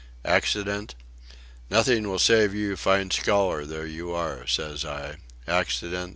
Accident?... 'Nothing will save you, fine scholar though you are!' says I.... Accident!...